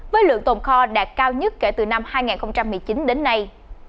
với lượng tồn kho đạt cao nhất kể từ năm hai nghìn một mươi chín đến nay